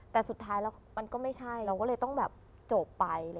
แต่สุดท้ายแล้วมันก็ไม่ใช่เราก็เลยต้องแบบจบไป